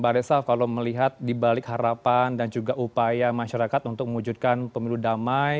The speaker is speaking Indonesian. bade saf kalau melihat di balik harapan dan juga upaya masyarakat untuk mengujudkan pemilu damai